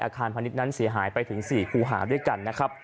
อาคารพันธุ์นั้นหายไปถึงกันทั้ง๔หายด้วยกัน